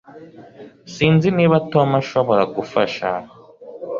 Sinzi niba Tom ashobora gufasha